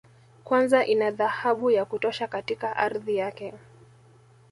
Kwanza ina dhahabu ya kutosha katika ardhi yake